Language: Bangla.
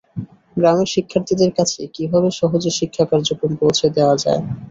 গ্রামের শিক্ষার্থীদের কাছে কীভাবে সহজে শিক্ষাকার্যক্রম পৌঁছে দেওয়া যায়।